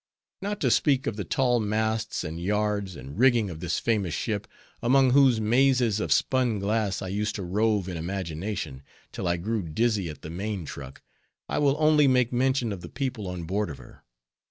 Not to speak of the tall masts, and yards, and rigging of this famous ship, among whose mazes of spun glass I used to rove in imagination, till I grew dizzy at the main truck, I will only make mention of the people on board of her.